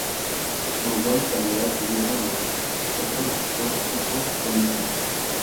Uruguay y Canadá obtuvieron los otros dos cupos olímpicos.